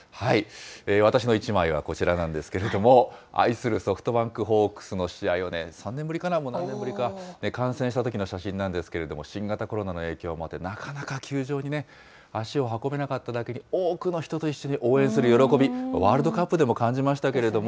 私の１枚はこちらなんですけれども、愛するソフトバンクホークスの試合を３年ぶりかな、何年ぶりか、観戦したときの写真なんですけれども、新型コロナの影響もあってなかなか球場に足を運べなかっただけに、多くの人と一緒に応援する喜び、ワールドカップでも感じましたけ